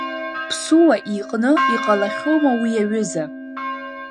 Ԥсуа иҟны иҟалахьоума уи аҩыза.